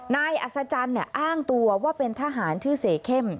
อัศจรรย์อ้างตัวว่าเป็นทหารชื่อเสเข้ม